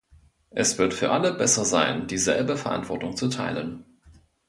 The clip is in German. Es wird für alle besser sein, dieselbe Verantwortung zu teilen.